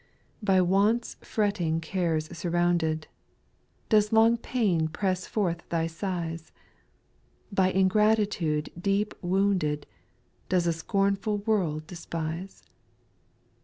6. By want's fretting cares surrounded. Does long pain press forth thy sighs ? By ingratitude deep wounded. Does a scornful world despise